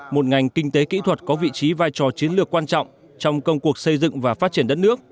một ngành kinh tế kỹ thuật có vị trí vai trò chiến lược quan trọng trong công cuộc xây dựng và phát triển đất nước